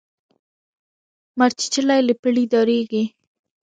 ـ مارچيچلى له پړي ډاريږي.